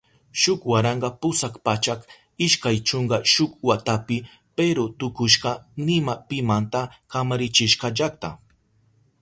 Shuk waranka pusak pachak ishkay chunka shuk watapi Peru tukushka nima pimanta kamachirishka llakta.